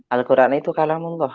al quran itu kalamullah